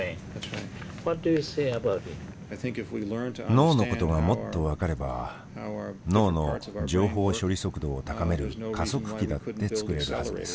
脳のことがもっと分かれば脳の情報処理速度を高める加速器だって作れるはずです。